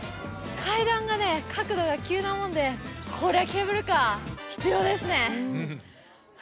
階段がね角度が急なもんでこれはケーブルカー必要ですね